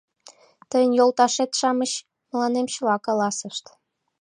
Тыйын йолташет-шамыч мыланем чыла каласышт...